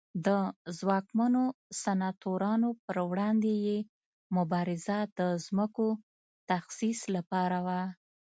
د ځواکمنو سناتورانو پر وړاندې یې مبارزه د ځمکو تخصیص لپاره وه